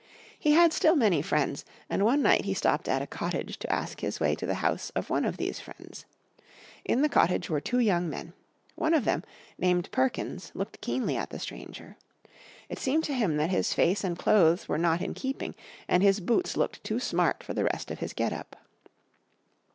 He had still many friends, and one night he stopped at a cottage to ask his way to the house of one of these friends. In the cottage were two young men. One of them, named Perkins, looked keenly at the stranger. It seemed to him that his face and clothes were not in keeping, and his boots looked to smart for the rest of his get up.